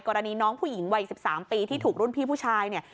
กรณีน้องผู้หญิงวัย๑๓ปีที่ถูกรุ่นพี่ผู้ชายเนี่ย